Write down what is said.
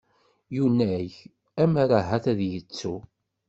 Yunag, ammer ahat ad yettu.